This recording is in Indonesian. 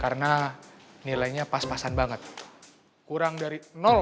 kayaknya dokter dibawah production experiences